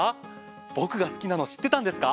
僕が好きなの知ってたんですか？